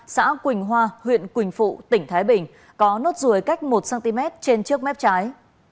xã quỳnh hoa huyện quỳnh phụ tỉnh thái bình có nốt ruồi cách một cm trên trước mép trái